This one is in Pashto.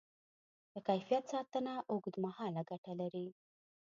د کیفیت ساتنه اوږدمهاله ګټه لري.